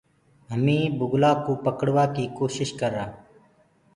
همي بُگلآ ڪوُ پڙوآ ڪيٚ ڪوشش ڪرآ۔